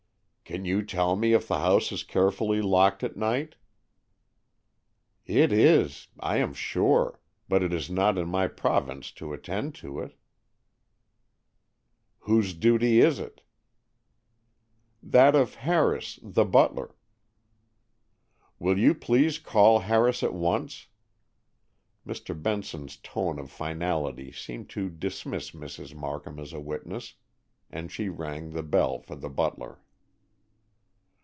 "Can you tell me if the house is carefully locked at night?" "It is, I am sure; but it is not in my province to attend to it." "Whose duty is it?" "That of Harris, the butler." "Will you please call Harris at once?" Mr. Benson's tone of finality seemed to dismiss Mrs. Markham as a witness, and she rang the bell for the butler.